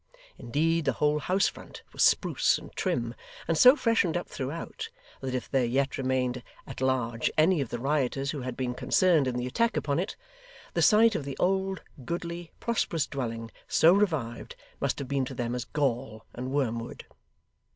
Indeed the whole house front was spruce and trim, and so freshened up throughout, that if there yet remained at large any of the rioters who had been concerned in the attack upon it, the sight of the old, goodly, prosperous dwelling, so revived, must have been to them as gall and wormwood.